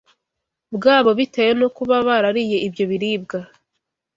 bwabo bitewe no kuba barariye ibyo biribwa.